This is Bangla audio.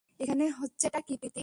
এখানে হচ্ছেটা কী, প্রীতি?